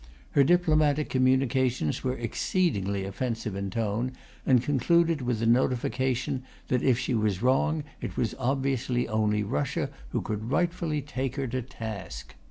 Her diplomatic communications were exceedingly offensive in tone, and concluded with a notification that, if she was wrong, it was obviously only Russia who could rightfully take her to task!